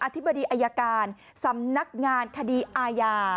ธิบดีอายการสำนักงานคดีอาญา